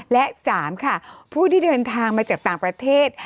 และ๓ค่ะผู้ที่เดินทางมาจากต่างประเทศ